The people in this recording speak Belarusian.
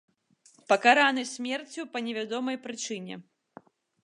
Пакараны смерцю па невядомай прычыне.